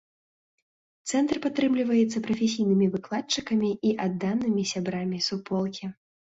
Цэнтр падтрымліваецца прафесійнымі выкладчыкамі і адданымі сябрамі суполкі.